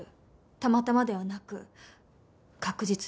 「たまたま」ではなく確実に。